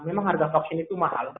memang harga vaksin itu mahal